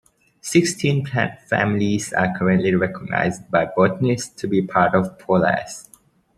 Sixteen plant families are currently recognized by botanists to be part of Poales.